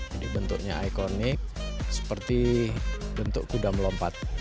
jadi bentuknya ikonik seperti bentuk kuda melompat